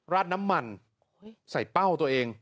ราดน้ำมันใส่เป้าตัวเอง